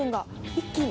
一気に。